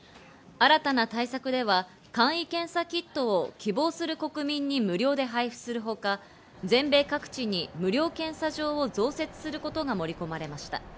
新たな対策では、簡易検査キットを希望する国民に無料で配布するほか、全米各地に無料検査場を増設することが盛り込まれました。